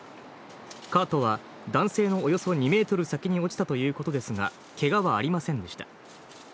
カートは男性のおよそ２ｍ先に落ちたということですが、けがはありませんでした。